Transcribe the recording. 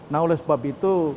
nah oleh sebab itu